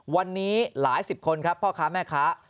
วันนี้หลายสิบคนครับพ่อค้าแม่ค้า